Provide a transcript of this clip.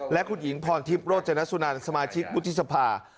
และคุณหญิงพรทิพย์โรจนสุนันสมาชิกวุฒิสภา